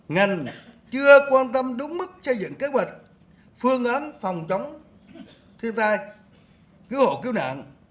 ngành chưa quan tâm đúng mức xây dựng kế hoạch phương án phòng chống thiên tai cứu hộ cứu nạn